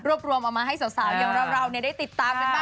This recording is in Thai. รวมเอามาให้สาวอย่างเราได้ติดตามกันบ้าง